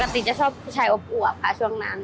ใช่ปกติจะชอบผู้ชายอวกค่ะช่วงนั้น